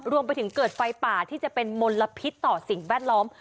รวมไปถึงเกิดไฟป่าที่จะเป็นมลพิษต่อสิ่งแวดล้อม